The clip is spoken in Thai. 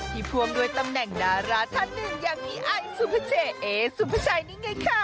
ที่พวงด้วยตำแหน่งดาราท่านหนึ่งยังมีไอซูเปอร์เจเอซูเปอร์ชัยนี่ไงค่ะ